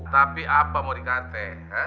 tapi apa mau dikante